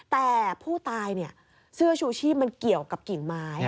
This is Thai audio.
แต่ผู้ตายเนี่ยเสื้อชูชีพมันเกี่ยวกับกิ่งไม้